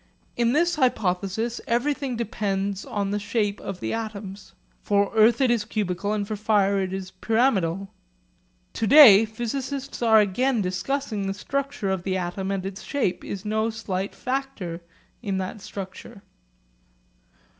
In this hypothesis everything depends on the shape of the atoms; for earth it is cubical and for fire it is pyramidal. To day physicists are again discussing the structure of the atom, and its shape is no slight factor in that structure.